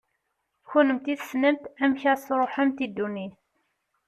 Kennemti tessnemt amek ad as-tṛuḥemt i ddunit.